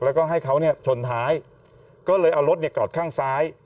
แล้วก็ให้เขาเนี่ยชนท้ายก็เลยเอารถเนี่ยกอดข้างซ้าย